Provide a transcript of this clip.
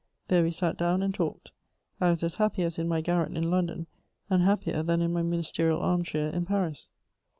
There we sat down and talked. I was as happy as in my garret in London, and happier than in my ministerial armchair in Paris.